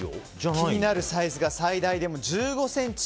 気になるサイズが最大でも１５ｃｍ。